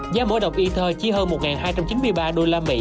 giá mỗi đồng ether chi hơn một hai trăm chín mươi ba usd